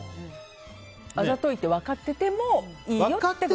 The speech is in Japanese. あざといって分かっててもいいよって？